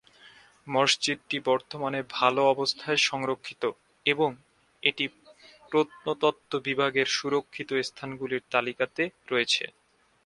মসজিদটি বর্তমানে ভাল অবস্থায় সংরক্ষিত, এবং এটি প্রত্নতত্ত্ব বিভাগের সুরক্ষিত স্থানগুলির তালিকাতে রয়েছে।